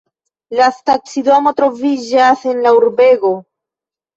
La stacidomo troviĝas en la urbego.